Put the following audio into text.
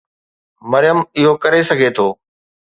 مريم اهو ڪري سگهي ٿو.